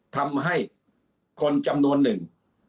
ทำให้คนจำนวนหนึ่ง